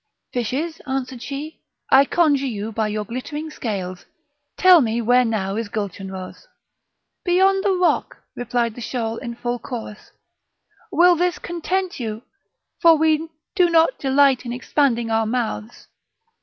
"Fishes," answered she, "I conjure you, by your glittering scales, tell me where now is Gulchenrouz?" "Beyond the rock," replied the shoal in full chorus; "will this content you? for we do not delight in expanding our mouths."